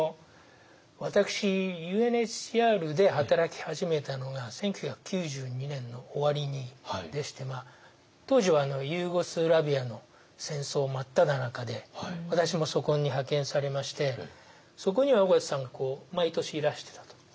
私ＵＮＨＣＲで働き始めたのが１９９２年の終わりでして当時はユーゴスラビアの戦争真っただ中で私もそこに派遣されましてそこには緒方さんが毎年いらしてたと。